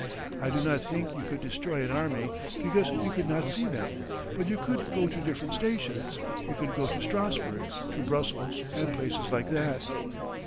I do not think you could destroy an army, because you could not see them, but you could go to different stations; you could go to Strassburg, to Brussels, and places like that.